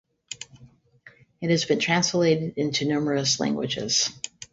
It has been translated into numerous languages.